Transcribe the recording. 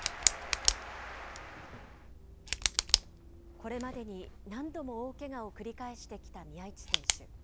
これまでに何度も大けがを繰り返してきた宮市選手。